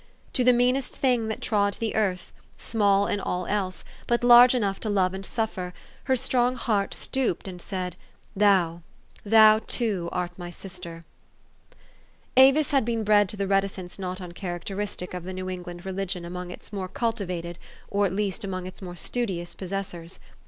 To the meanest thing that trod the earth, small in all else, but large enough to love and suffer, her strong heart stooped, and said, " Thou thou, too, art my sis ter." Avis had been bred to the reticence not uncharac teristic of the New England religion among its more cultivated, or at least, among its more studious pos sessors.